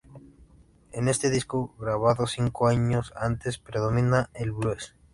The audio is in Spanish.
En este disco, grabado cinco años antes, predomina el blues.